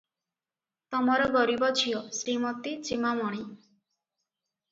ତମର ଗରିବ ଝିଅ, ଶ୍ରୀମତୀ ଜେମାମଣି